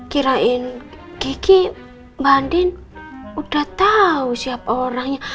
kirain geki mbak andin udah tau siapa orangnya